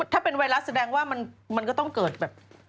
ถ้าเป็นไวรัสแสดงว่ามันก็ต้องเกิดแบบ